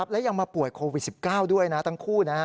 และยังมาป่วยโควิด๑๙ด้วยนะทั้งคู่